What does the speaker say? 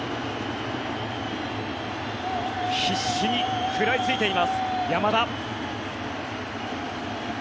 必死に食らいついています山田。